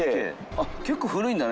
あっ結構古いんだね。